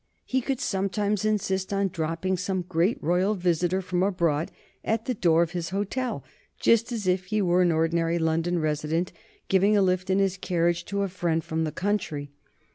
He would sometimes insist on dropping some great royal visitor from abroad at the door of his hotel, just as if he were an ordinary London resident giving a lift in his carriage to a friend from the country.